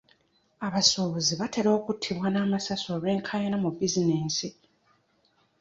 Abasuubuzi batera okuttibwa n'amasasi olw'enkaayana mu bizinensi.